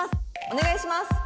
お願いします！